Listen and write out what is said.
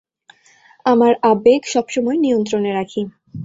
আমার আবেগ, সবসময় নিয়ন্ত্রণে রাখি।